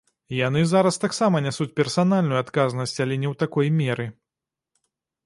Яны зараз таксама нясуць персанальную адказнасць, але не ў такой меры.